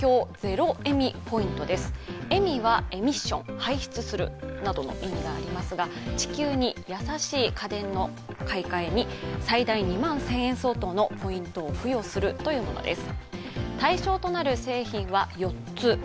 エミはエミッション、排出するなどの意味がありますが、地球に優しい家電の買い替えに最大２万１０００円相当を補助するというものです。